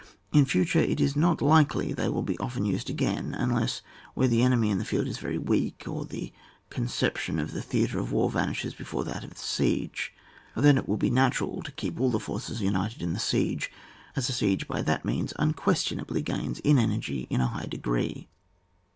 In future it is not likely they will be often used again, unless where the enemy in the field is very weak, or the concep tion of the theatre of war vanishes before that of the siege. Then it will be natural to keep all the forces united in the siege, as a siege by that means unquestionably gains in energy in a high degree.